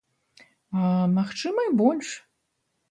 А, магчыма, і больш.